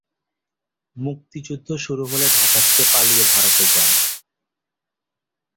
মুক্তিযুদ্ধ শুরু হলে ঢাকা থেকে পালিয়ে ভারতে যান।